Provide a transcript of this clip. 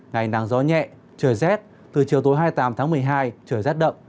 ngày nắng gió nhẹ trời rét từ chiều tối hai mươi tám tháng một mươi hai trời rét đậm